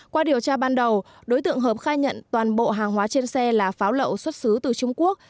qua điều tra ban đầu đối tượng hợp khai nhận toàn bộ hàng hóa trên xe là pháo lậu xuất xứ từ trung quốc